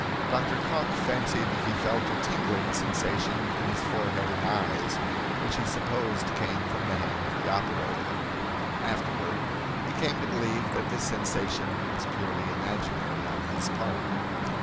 Dr. Cocke fancied he felt a tingling sensation in his forehead and eyes, which he supposed came from the hand of the operator. (Afterward he came to believe that this sensation was purely imaginary on his part.)